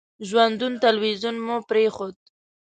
ژوندون تلویزیون مو پرېښود.